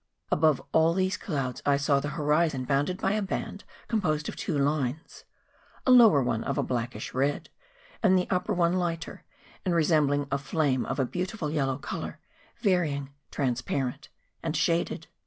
Above all these clouds I saw the horizon bounded by a band com¬ posed of two lines, the lower one of a blackish red, and the upper one lighter and resembling a flame of a beautiful yellow colour, varying, transparent, and shaded.